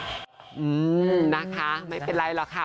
อืมนะคะไม่เป็นไรหรอกค่ะ